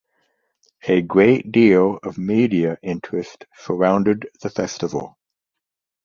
A great deal of media interest surrounded the festival.